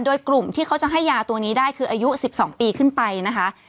โดยกลุ่มที่เขาจะให้ยาตัวนี้ได้คืออายุ๑๒ปีขึ้นไปนะคะ